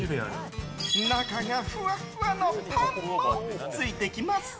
中がふわっふわのパンもついてきます。